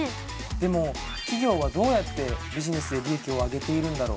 でも企業はどうやってビジネスで利益をあげているんだろう？